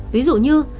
ví dụ như